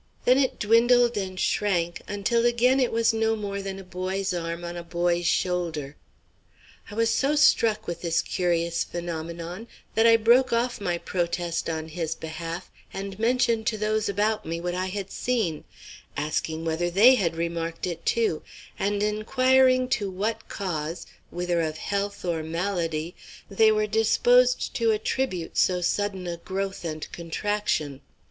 Then it dwindled and shrank until again it was no more than a boy's arm on a boy's shoulder. I was so struck with this curious phenomenon that I broke off my protest on his behalf, and mentioned to those about me what I had seen, asking whether they had remarked it too, and inquiring to what cause, whither of health or malady, they were disposed to attribute so sudden a growth and contraction.